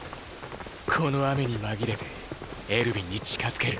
この雨に紛れてエルヴィンに近づける。